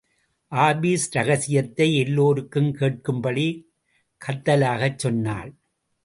Office ரகசியத்தை எல்லோருக்கும் கேட்கும்படி கத்தலாகச் சொன்னாள்.